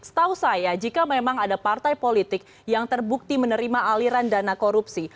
setahu saya jika memang ada partai politik yang terbukti menerima aliran dana korupsi